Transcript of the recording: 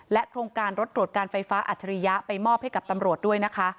โครงการรถตรวจการไฟฟ้าอัจฉริยะไปมอบให้กับตำรวจด้วยนะคะ